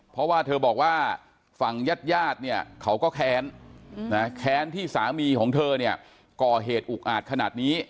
เพราะว่าเธอบอกว่าฝั่งญาติญาติเนี่ยเขาก็แค้นแค้นที่สามีของเธอเนี่ยก่อเหตุอุกอาจขนาดนี้